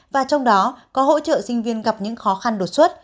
và trong đó có hỗ trợ sinh viên gặp những khó khăn đột xuất